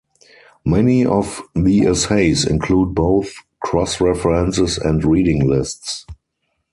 Many of the essays include both cross-references and reading lists.